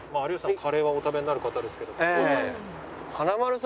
カレーはお食べになる方ですけど福岡で？